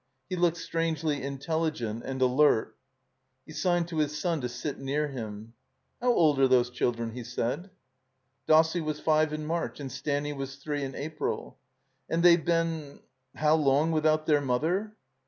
He looked strangely in telligent and alert. He signed to his son to sit near him. "How old are those children?" he said. *' Dossie was five in March, and Stanny was three in April." "And they've been — ^how long without their mother?"